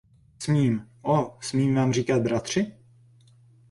Smím, oh, smím vám říkat bratři?